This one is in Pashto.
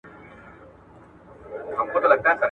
هیوادونه د بې ځایه شویو خلګو د ژوند د ښه کولو هڅه کوي.